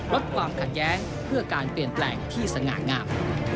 ลดความขัดแย้งเพื่อการเปลี่ยนแปลงที่สง่างาม